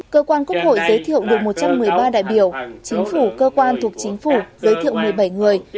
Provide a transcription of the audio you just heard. cơ quan quốc hội giới thiệu được một trăm một mươi ba đại biểu chính phủ cơ quan thuộc chính phủ giới thiệu một mươi bảy người